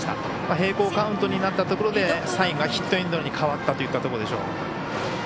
平行カウントになったところでサインがヒットエンドに変わったというところでしょう。